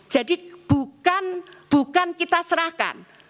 jadi bukan kita serahkan